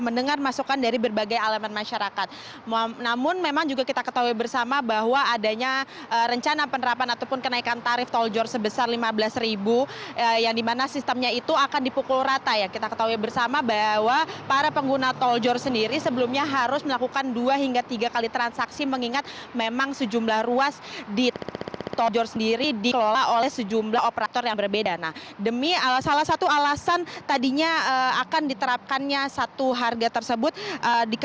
penundaan ini juga memberikan kesempatan bagi bpjt dan bujt melakukan sosialisasi lebih intensif